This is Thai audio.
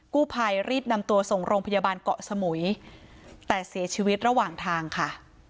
กู้ภัยรีบนำตัวส่งโรงพยาบาลเกาะสมุยแต่เสียชีวิตระหว่างทางค่ะ